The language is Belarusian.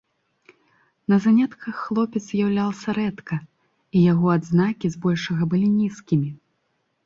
На занятках хлопец з'яўляўся рэдка, і яго адзнакі збольшага былі нізкімі.